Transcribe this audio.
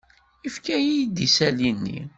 Yefka-iyi-d isali-nni.